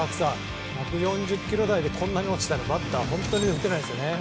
１４０キロ台であんなに落ちたらバッター本当に打てませんね。